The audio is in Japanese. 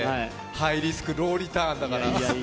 ハイリスク・ローリターンだから。